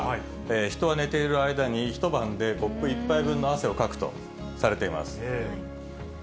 人は寝ている間に一晩でコップ１杯分の汗をかくとされています。